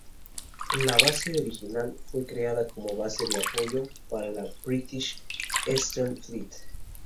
La base original fue creada como base de apoyo para la "British Eastern Fleet".